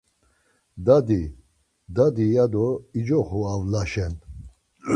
Dadi, dadi ya do icoxu avlaşen.